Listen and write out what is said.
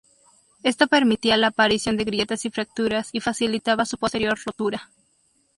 Esto permitía la aparición de grietas y fracturas y facilitaba su posterior rotura.